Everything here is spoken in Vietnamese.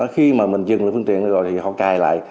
khi mà mình dừng lại phương tiện rồi thì họ cài lại